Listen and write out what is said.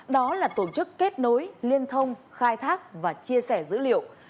đó là tổ chức kết nối liên thông khai thác và chia sẻ dữ liệu